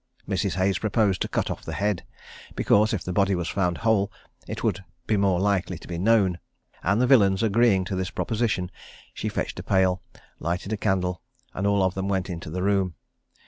Mrs. Hayes proposed to cut off the head, because, if the body was found whole, it would be more likely to be known, and the villains agreeing to this proposition, she fetched a pail, lighted a candle, and all of them went into the room.